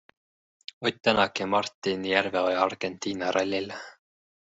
Ott Tänak ja Martin Järveoja Argentina rallil.